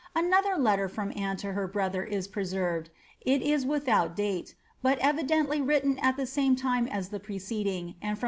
Anotlier letter from Anne to her brotlier is preserved ; it is witliout dite, but evidently written at the same time as the preceding, and, from ^Stais Papers, voL i.